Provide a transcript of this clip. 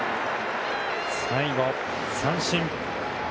最後、三振。